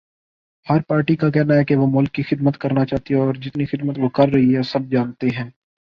ہر party کا کہنا ہے کے وہ ملک کی خدمت کرنا چاہتی ہے اور جتنی خدمات وہ کرر ہی ہیں سب جانتے ہیں